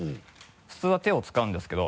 普通は手を使うんですけど。